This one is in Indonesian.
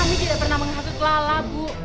kami tidak pernah menghapus lala bu